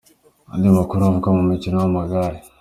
Andi makuru avugwa mu mukino w’Amagare.